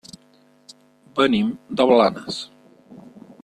Venim de Blanes.